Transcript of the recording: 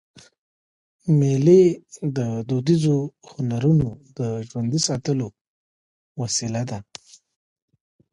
مېلې د دودیزو هنرونو د ژوندي ساتلو وسیله ده.